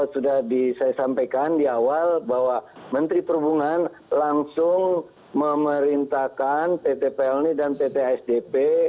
sudah disampaikan di awal bahwa menteri perhubungan langsung memerintahkan pt pelni dan pt sdp